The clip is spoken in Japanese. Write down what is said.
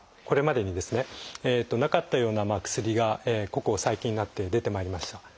これまでにですねなかったような薬がここ最近になって出てまいりました。